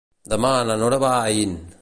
Demà na Nora va a Aín.